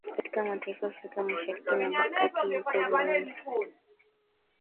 katika mataifa afrika mashariki na kati huko burundi